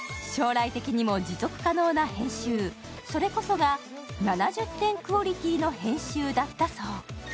将来的にも持続可能な編集、それこそが７０点クオリティの編集だったそう。